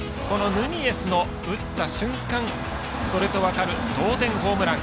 ヌニエスの打った瞬間それと分かる同点ホームラン。